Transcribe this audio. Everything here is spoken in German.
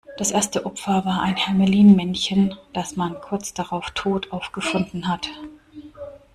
Das erste Opfer war ein Hermelin-Männchen, das man kurz drauf tot aufgefunden hat.